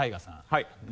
はい。